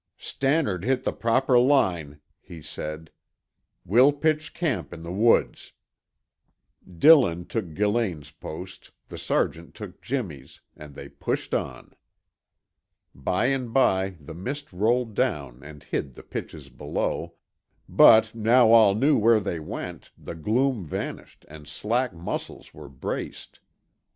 "Stannard hit the proper line," he said. "We'll pitch camp in the woods." Dillon took Gillane's post, the sergeant took Jimmy's, and they pushed on. By and by the mist rolled down and hid the pitches below, but, now all knew where they went, the gloom vanished and slack muscles were braced.